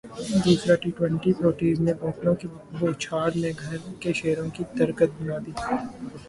دوسرا T twenty Proteas نے بوتلوں کی بوچھاڑمیں گھر کے شیروں کی درگت بنادی